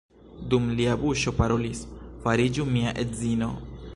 Dum lia buŝo parolis: fariĝu mia edzino!